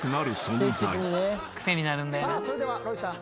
それではロイさん。